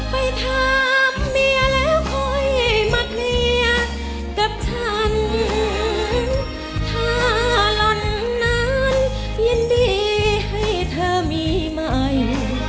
ไปทำเมียแล้วคอยมาเทียดกับฉันถ้าหลอนนั้นยันดีให้เธอมีใหม่